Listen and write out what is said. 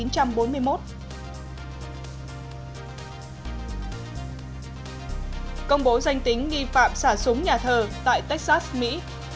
năm một nghìn chín trăm bốn mươi một công bố danh tính nghi phạm xả súng nhà thờ tại texas mỹ